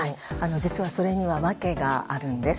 実はそれには訳があるんです。